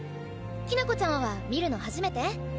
きな子ちゃんは見るの初めて？